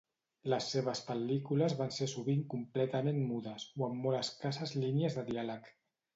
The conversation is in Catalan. Les seves pel·lícules van ser sovint completament mudes, o amb molt escasses línies de diàleg.